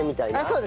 そう。